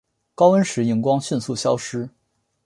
高温时荧光迅速消失。